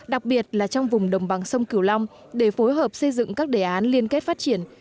đặc biệt là trong vùng đồng bằng sông cửu long để phối hợp xây dựng các đề án liên kết phát triển